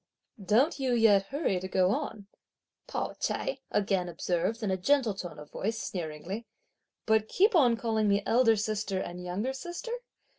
"Don't you yet hurry to go on," Pao ch'ai again observed in a gentle tone of voice sneeringly, "but keep on calling me elder sister and younger sister?